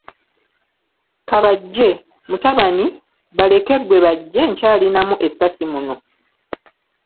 Ka bajje, mutabani, baleke ggwe bajje nkyalinamu essasi muno.